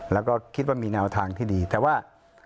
แล้วก็คิดว่ามีแนวทางที่ดีแต่ว่า